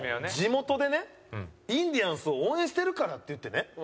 地元でねインディアンスを応援してるからっていってね